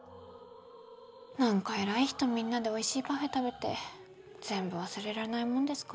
なんか偉い人みんなでおいしいパフェ食べて全部忘れられないもんですかねえ。